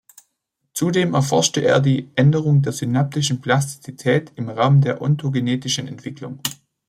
Zudem erforschte er die Änderung der synaptischen Plastizität im Rahmen der ontogenetischen Entwicklung.